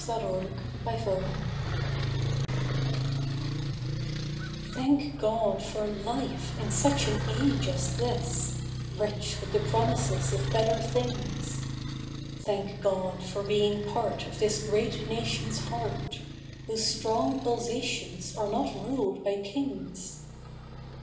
THANK GOD FOR LIFE Thank God for life, in such an age as this, Rich with the promises of better things. Thank God for being part of this great nation's heart, Whose strong pulsations are not ruled by kings.